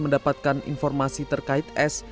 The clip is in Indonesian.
mendapatkan informasi terkait s